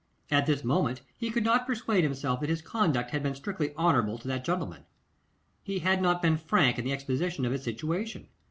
At this moment, he could not persuade himself that his conduct had been strictly honourable to that gentleman. He had not been frank in the exposition of his situation.